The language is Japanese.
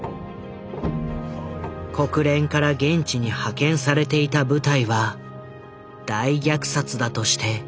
国連から現地に派遣されていた部隊は大虐殺だとして応援を要請する。